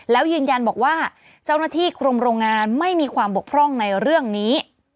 แล้วยืนยันบอกว่าเจ้าหน้าที่กรมโรงงานไม่มีความบกพร่องในเรื่องนี้